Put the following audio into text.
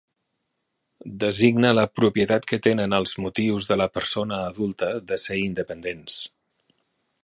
Designa la propietat que tenen els motius de la persona adulta de ser independents.